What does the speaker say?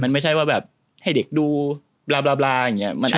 มันไม่ใช่ว่าแบบให้เด็กดูลาอย่างนี้